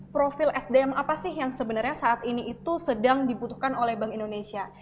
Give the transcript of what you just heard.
profil sdm apa sih yang sebenarnya saat ini itu sedang dibutuhkan oleh bank indonesia